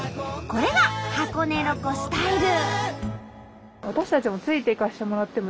これが箱根ロコスタイル！